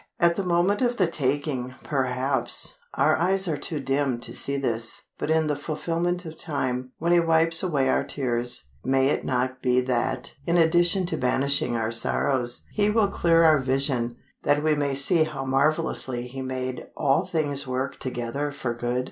At the moment of the taking, perhaps, our eyes are too dimmed to see this, but in the fulfilment of time, when He wipes away our tears, may it not be that, in addition to banishing our sorrows, He will clear our vision, that we may see how marvellously He made all things work together for good?